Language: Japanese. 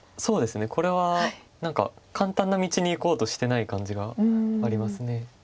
これは何か簡単な道にいこうとしてない感じがあります。